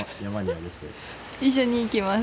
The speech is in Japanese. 一緒に行きます。